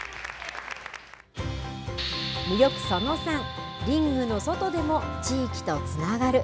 魅力その３、リングの外でも地域とつながる。